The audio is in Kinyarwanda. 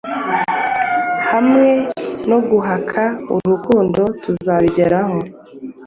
hamwe no guhaka urukundoTuzabigeraho